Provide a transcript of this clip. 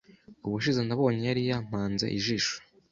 Ubushize nabonye yari yampanze ijisho.